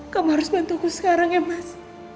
kamu harus bantuku sekarang ya mas